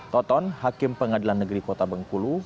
toton hakim pengadilan negeri kota bengkulu